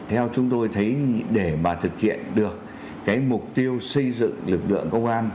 theo chúng tôi thấy để mà thực hiện được cái mục tiêu xây dựng lực lượng công an